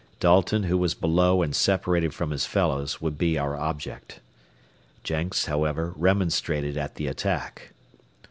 Dalton, who was below and separated from his fellows, would be our object. Jenks, however, remonstrated at the attack.